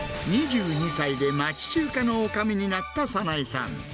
２２歳で町中華のおかみになった早苗さん。